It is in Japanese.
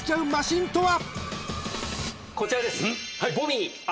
こちらです。